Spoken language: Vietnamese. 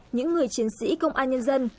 những người chiến sĩ công an nhân dân